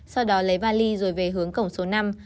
sau đó lấy vali rồi về hướng cổng số năm